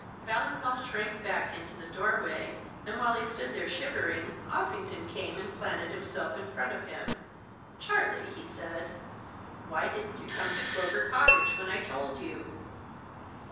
Ballingall shrank back into the doorway, and, while he stood there shivering, Ossington came and planted himself in front of him. "'Charlie!' he said, 'why didn't you come to Clover Cottage when I told you?'